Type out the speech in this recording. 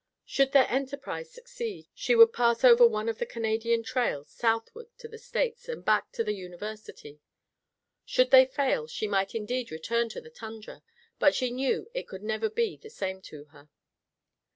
Should their enterprise succeed, she would pass over one of the Canadian trails, southward to the States and back to the University. Should they fail, she might indeed return to the tundra, but she knew it could never be the same to her.